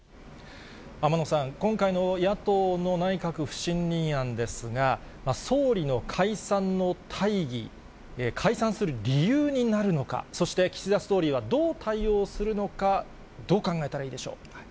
天野さん、今回の野党の内閣不信任案ですが、総理の解散の大義、解散する理由になるのか、そして岸田総理はどう対応するのか、どう考えたらいいでしょう？